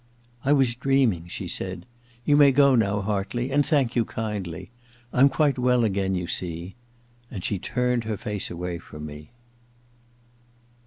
• I was dreaming/ she said. * You may go, now, Hartley, and thank you kindly. I'm Jiuite well again, you see.' And she turned her ace away from me.